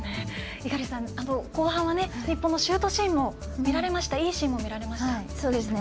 猪狩さん、後半は日本のシュートシーンもいいシーンも見られましたよね。